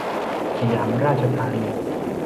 สยามราชธานี